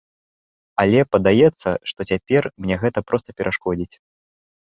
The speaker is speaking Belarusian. Але падаецца, што цяпер мне гэта проста перашкодзіць.